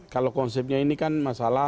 kalau konsepnya ini kan masalah